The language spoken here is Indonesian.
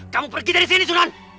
kamu pergi dari sini sunan